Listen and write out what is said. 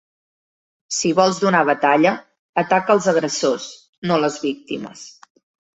Si vols donar batalla, ataca els agressors, no les víctimes.